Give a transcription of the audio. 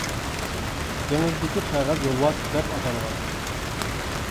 «دېڭىزدىكى قەغەز يولۋاس » دەپ ئاتالغان.